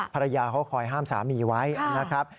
ภรรยาเขาคอยห้ามสามีไว้นะครับ